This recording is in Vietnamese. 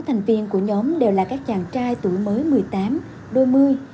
sáu thành viên của nhóm đều là các chàng trai tuổi mới một mươi tám đôi mươi